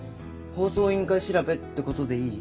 放送委員会調べってことでいい？